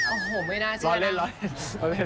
โอ้โหไม่น่าเชื่อนะ